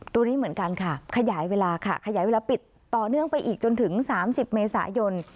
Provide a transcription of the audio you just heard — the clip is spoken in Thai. ตัวนี้เหมือนกันค่ะขยายเวลาค่ะขยายเวลาปิดต่อเนื่องไปอีกจนถึง๓๐เมษายน